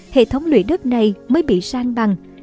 hệ thống lưỡi đất này mới bị sang bằng